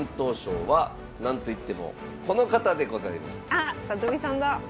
あっ里見さんだ！